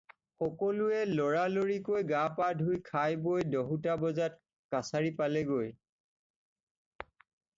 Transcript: সকলোৱে ল'ৰালৰিকৈ গা-পা ধুই খাই-বই দহোটা বজাত কাছাৰি পালেগৈ।